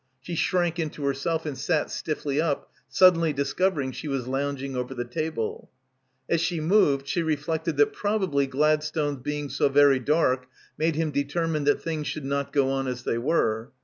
She shrank into herself and sat stiffly up, suddenly discovering she was lounging over the table. As — 108 — BACKWATER she moved she reflected that probably Gladstone's being so very dark made him determined that things should not go on as they were.